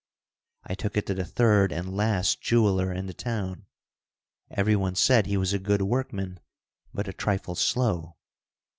I took it to the third and last jeweler in the town. Everyone said he was a good workman, but a trifle slow.